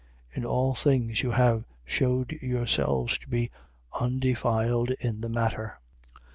In all things you have shewed yourselves to be undefiled in the matter.